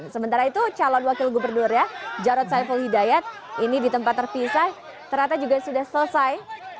sementara itu calon wakil gubernur ya jarod saiful hidayat ini di tempat terpisah ternyata juga sudah selesai